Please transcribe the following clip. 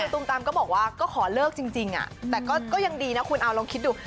ตูมตามก็บอกว่าก็ขอเลิกจริงแต่ก็ยังดีนะคุณเอาลองคิดดู